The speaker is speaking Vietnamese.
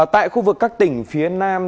tại khu vực các tỉnh phía nam